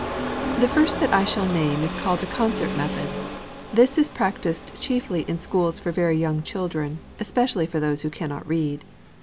The first that I shall name is called the Concert Method. This is practised chiefly in schools for very young children, especially for those who cannot read.